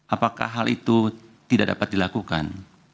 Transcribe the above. apakah hal itu tidak dapat dilakukan